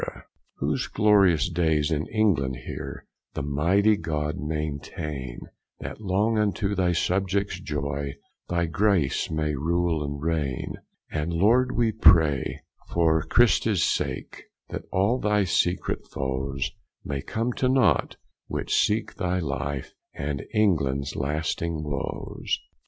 Whose glorious daies in England heere The mighty God maintaine, That long unto thy subjects joye Thy Grace may rule and raigne. And, Lord, we pray, for Christes sake, That all thy secret foes May come to naught, which seeke thy life And Englands lasting woes.